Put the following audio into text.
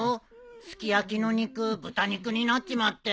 すき焼きの肉豚肉になっちまって。